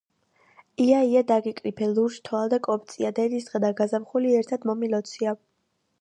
ია-ია დაგიკრიფე, ლურჯთვალა და კოპწია. დედის დღე და გაზაფხული ერთად მომილოცია.